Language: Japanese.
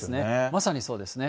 まさにそうですね。